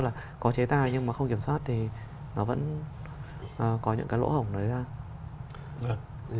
là có chế tài nhưng mà không kiểm soát thì nó vẫn có những cái lỗ hổng đấy ra